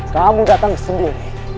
kamu datang sendiri